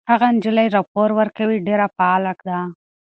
هغه نجلۍ چې راپور ورکوي ډېره فعاله ده.